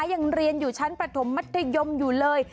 ยังเรียนอยู่ชั้นประถมมัธยมอยู่เลย